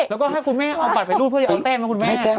และก็ให้คุณแม่เอาบัตรไปลูกเพื่อซื้อแต้งให้คุณแม่